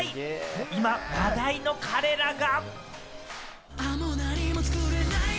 今、話題の彼らが。